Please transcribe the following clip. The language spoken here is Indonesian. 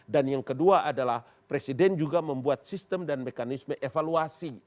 dan yang kedua adalah presiden juga membuat sistem dan mekanisme evaluasi